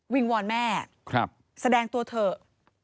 งวอนแม่แสดงตัวเถอะ